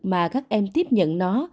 mà các em tiếp nhận nó